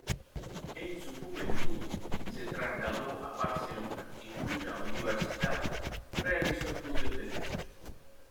En su juventud se trasladó a Barcelona, en cuya universidad realizó estudios de derecho.